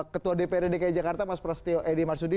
ketua dprd dki jakarta mas prasetyo edi marsudi